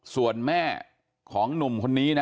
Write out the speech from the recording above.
ส่วนแม่ของหนุ่มคนนี้นะ